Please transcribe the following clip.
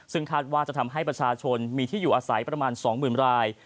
ซึ่งคาดว่าจะทำให้ประชาชนมีที่อยู่อาศัยประมาณ๒๐๐๐ราย